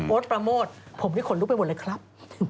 โพสต์ประโมช์ผมที่ขนลุกไปบนอะไรครับ